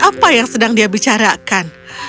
apa yang sedang dia bicarakan